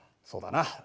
そうだな。